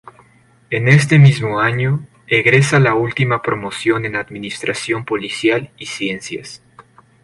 En este mismo año, egresa la última promoción en administración Policial y Ciencias.